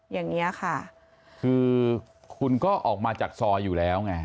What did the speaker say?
อย่างนี้ค่ะคือคุณก็ออกมาจากซอยอยู่แล้วไง